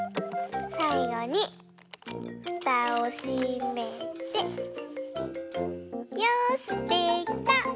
さいごにふたをしめてよしできた！